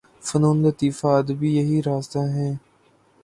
فنون لطیفہ، ادب یہی راستے ہیں۔